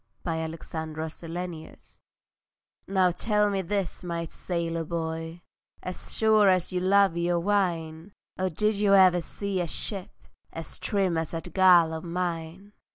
THE LOVER TO THE SAILOR Now tell me this, my sailor boy, As sure as you love your wine, Oh did you ever see a ship As trim as that girl of mine?